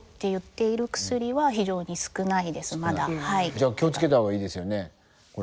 じゃあ気を付けた方がいいですよねこれね。